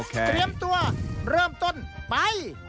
เตรียมตัวเริ่มต้นไป